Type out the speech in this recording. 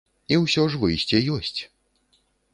І ўсё ж выйсце ёсць.